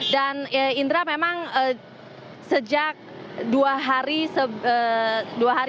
dan indra memang sejak dua hari lalu